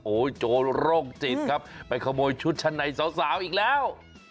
โจรโรคจิตครับไปขโมยชุดชั้นในสาวอีกแล้ว